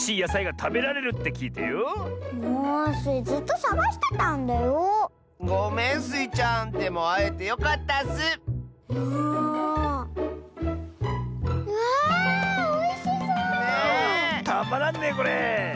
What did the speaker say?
たまらんねこれ。